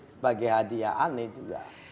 sebagai hadiah aneh juga